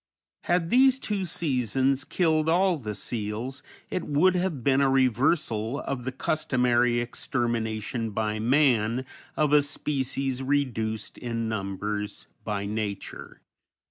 Had these two seasons killed all the seals, it would have been a reversal of the customary extermination by man of a species reduced in numbers by nature.